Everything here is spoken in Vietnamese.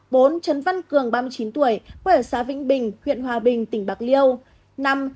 bốn trần văn cường ba mươi chín tuổi quê ở xã vĩnh bình huyện hòa bình tỉnh bạc liêu